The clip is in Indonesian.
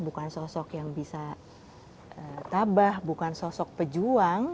bukan sosok yang bisa tabah bukan sosok pejuang